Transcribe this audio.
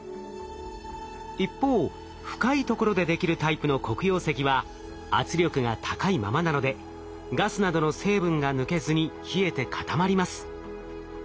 一方深いところでできるタイプの黒曜石は圧力が高いままなのでガスなどの成分が抜けずに冷えて固まります。